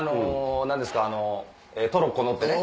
何ですかトロッコ乗ってね。